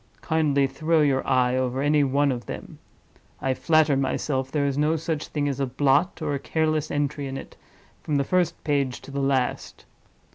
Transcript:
Kindly throw your eye over any one of them. I flatter myself there is no such thing as a blot, or a careless entry in it, from the first page to the last.